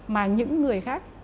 mà những người khác